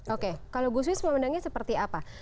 oke kalau gusmis memandangnya seperti apa